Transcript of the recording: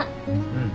うん。